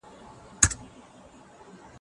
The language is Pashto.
ايا ته لاس مينځې؟